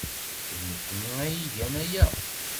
D nekkni ay igan aya.